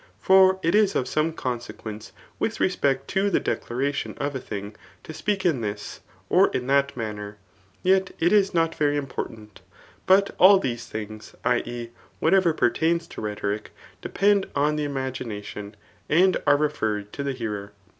For it is of some consequence with respect to the declaration of a thtng» to speak in thi$, or in that manner ; yet it is not very important, but all these [i. e. whatever pertains to rhetoric,] depend on the imagina tioi^ and are referred to the hearer.